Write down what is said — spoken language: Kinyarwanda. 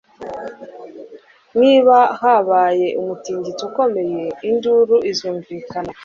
Niba habaye umutingito ukomeye, induru izumvikana.